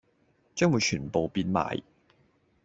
將會全部變賣